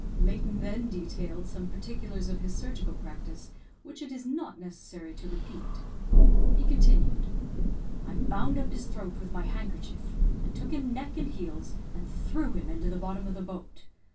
Layton then detailed some particulars of his surgical practice which it is not necessary to repeat. He continued "I bound up his throat with my handkerchief, and took him neck and heels, and threw him into the bottom of the boat.